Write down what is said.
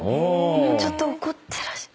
ちょっと怒ってらっしゃる。